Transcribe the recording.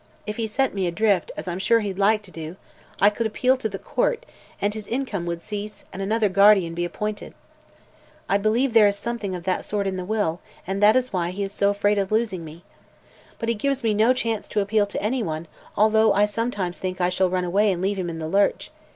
If he set me adrift, as I'm sure he'd like to do, I could appeal to the court and his income would cease and another guardian be appointed. I believe there is something of that sort in the will, and that is why he is so afraid of losing me. But he gives me no chance to appeal to anyone, although I sometimes think I shall run away and leave him in the lurch.